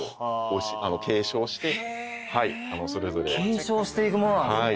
継承していくものなんですね。